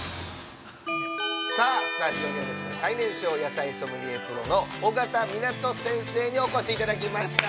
◆さあ、スタジオには最年少野菜ソムリエプロの緒方湊先生にお越しいただきました。